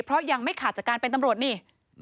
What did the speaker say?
เพราะยังไม่ขาดจากการเป็นตำรวจนี่